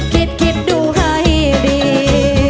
คิดคิดดูให้ดี